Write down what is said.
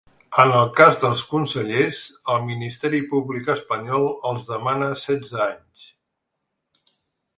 En el cas dels consellers, el ministeri públic espanyol els demana setze anys.